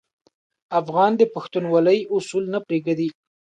افغان د پښتونولي اصول نه پرېږدي.